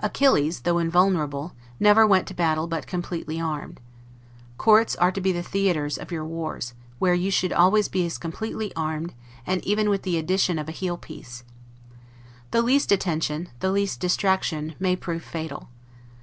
Achilles, though invulnerable, never went to battle but completely armed. Courts are to be the theatres of your wars, where you should be always as completely armed, and even with the addition of a heel piece. The least inattention, the least DISTRACTION, may prove fatal.